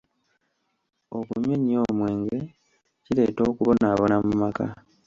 Okunywa ennyo omwenge kireeta okubonaabona mu maka.